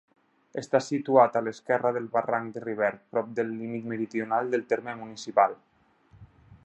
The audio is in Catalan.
Està situat a l'esquerra del barranc de Rivert, prop del límit meridional del terme municipal.